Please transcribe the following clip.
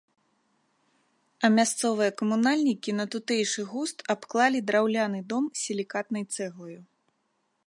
А мясцовыя камунальнікі на тутэйшы густ абклалі драўляны дом сілікатнай цэглаю.